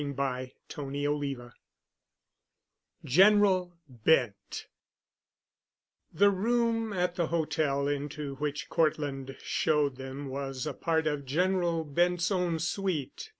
*CHAPTER XXVII* *GENERAL BENT* The room at the hotel into which Cortland showed them was a part of General Bent's own suite.